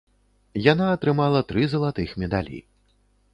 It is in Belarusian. Яна атрымала тры залатых медалі.